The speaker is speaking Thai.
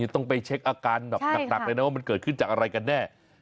ต้องไปเช็คอาการแบบหนักเลยนะว่ามันเกิดขึ้นจากอะไรกันแน่